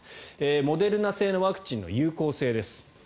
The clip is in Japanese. モデルナ製ワクチンの有効性です。